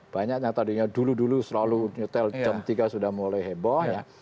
banyak yang tadinya dulu dulu selalu nyetel jam tiga sudah mulai heboh ya